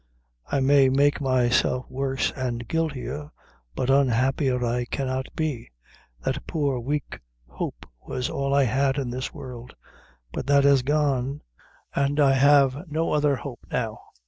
I may make myself worse an' guiltier; but unhappier I cannot be. That poor, weak hope was all I had in this world; but that is gone; and I have no other hope now."